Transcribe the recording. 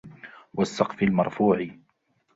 وَالسَّقْفِ الْمَرْفُوعِ